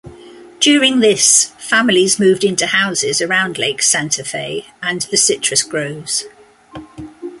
During this, families moved into houses around Lake Santa Fe and the citrus groves.